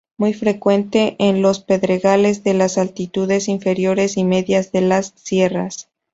Muy frecuente en los pedregales de las altitudes inferiores y medias de las sierras.